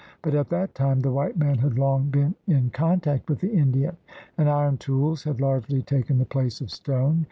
But at that time the white man had long been in con tact with the Indian, and iron tools had largely taken the place of stone.